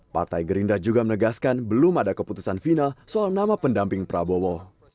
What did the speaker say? partai gerindra juga menegaskan belum ada keputusan final soal nama pendamping prabowo